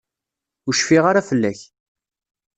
Ur cfiɣ ara fell-ak.